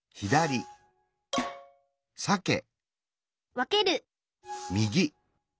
わける